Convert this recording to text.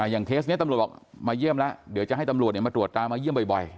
เคสนี้ตำรวจบอกมาเยี่ยมแล้วเดี๋ยวจะให้ตำรวจมาตรวจตามมาเยี่ยมบ่อย